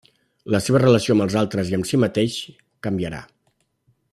La seva relació amb els altres i amb si mateix canviarà.